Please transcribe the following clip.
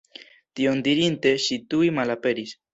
Tion dirinte ŝi tuj malaperis.